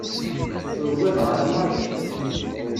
Ur ugadeɣ ara maḍi.